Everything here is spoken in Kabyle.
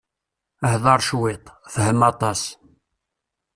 Hder cwiṭ, fhem aṭas.